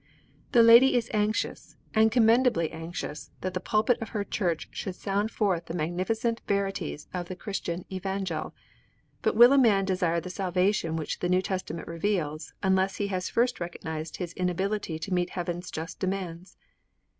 The lady is anxious, and commendably anxious, that the pulpit of her church should sound forth the magnificent verities of the Christian evangel. But will a man desire the salvation which the New Testament reveals unless he has first recognized his inability to meet heaven's just demands?